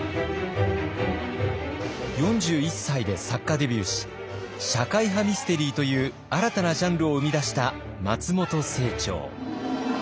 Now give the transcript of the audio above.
４１歳で作家デビューし社会派ミステリーという新たなジャンルを生み出した松本清張。